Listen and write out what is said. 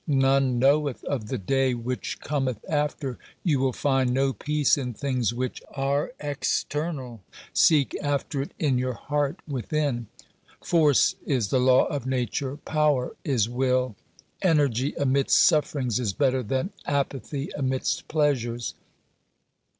None knoweth of the day which cometh after ; you will find no peace in things which are external, seek after it in your heart within. Force is the law of Nature ; power is will ; energy amidst sufferings is G 98 OBERMANN better than apathy amidst pleasures.